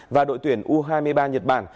và đội tuyển u hai mươi ba nhật bản